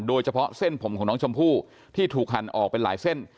โดยเฉพาะเส้นผมของน้องชมพู่ที่ถูกหั่นออกเป็นหลายเส้น